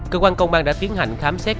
cơ quan công an đã tiến hành khám xét